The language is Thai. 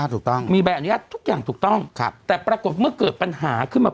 ถูกต้องมีใบอนุญาตทุกอย่างถูกต้องครับแต่ปรากฏเมื่อเกิดปัญหาขึ้นมา